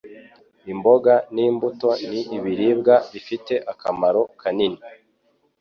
Imboga n'imbuto ni ibiribwa bifite akamaro kanini